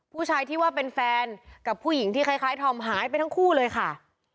ผู้ชายที่ว่าเป็นแฟนกับผู้หญิงที่คล้ายธอมหายไปทั้งคู่เลยค่ะ